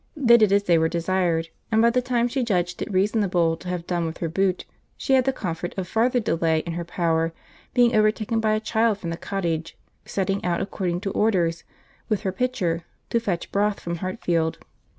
They did as they were desired; and by the time she judged it reasonable to have done with her boot, she had the comfort of farther delay in her power, being overtaken by a child from the cottage, setting out, according to orders, with her pitcher, to fetch broth from Hartfield.